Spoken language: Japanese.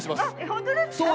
本当ですか！？